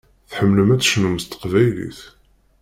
Tḥemmlem ad tecnum s teqbaylit.